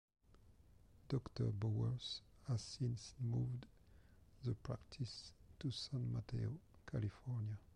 Doctor Bowers has since moved the practice to San Mateo, California.